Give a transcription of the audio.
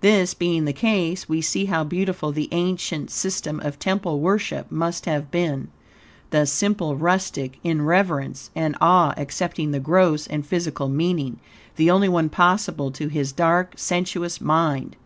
This being the case, we see how beautiful the ancients' system of temple worship must have been. The simple rustic, in reverence and awe, accepting the gross and physical meaning the only one possible to his dark, sensuous mind.